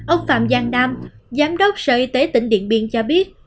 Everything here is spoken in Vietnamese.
ông phạm giang giám đốc sở y tế tỉnh điện biên cho biết